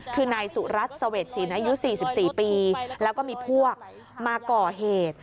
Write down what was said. คือนายสุรัตน์เสวดศิลป์อายุ๔๔ปีแล้วก็มีพวกมาก่อเหตุ